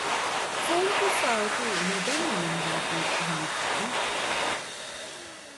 ފޯނުކޮށްފައި އޮތީ ނުދަންނަ ނަންބަރަކުން ލަންކާއިން